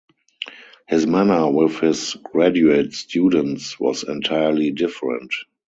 His manner with his graduate students was entirely different.